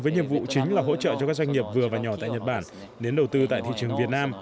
với nhiệm vụ chính là hỗ trợ cho các doanh nghiệp vừa và nhỏ tại nhật bản đến đầu tư tại thị trường việt nam